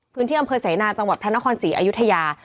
พื้นที่อำเภอเสนาจังหวัดพระนครศรีอยุธยา